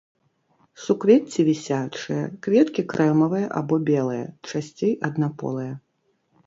Суквецці вісячыя, кветкі крэмавыя або белыя, часцей аднаполыя.